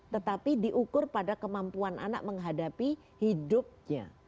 tetapi diukur pada kemampuan anak menghadapi hidupnya